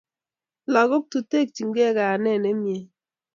Lakok tutekchingei kayaenet ne mie